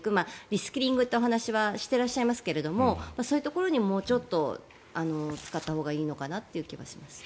リスキリングというお話はしていますがそういうところにもうちょっと使ったほうがいいのかなという気がします。